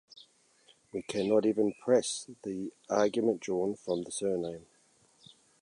We cannot even press the argument drawn from the surname.